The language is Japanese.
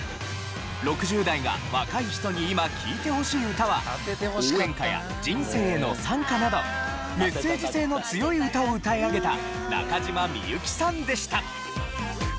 ６０代が若い人に今聴いてほしい歌は応援歌や人生の賛歌などメッセージ性の強い歌を歌い上げた中島みゆきさんでした。